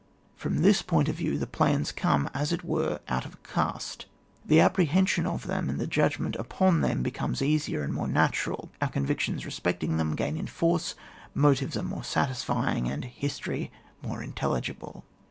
From this point of view the plans come, as it were, out of a cast; the apprehension of them and the judgment upon them become easier and more natu ral, our convictions respecting them gain in force, motives are more satisfying, and history more intelligible.